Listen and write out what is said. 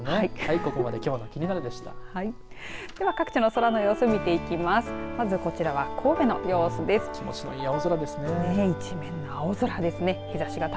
ここまできょうのキニナル！でした。